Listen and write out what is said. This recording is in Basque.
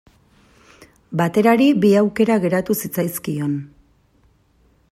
Baterari bi aukera geratu zitzaizkion.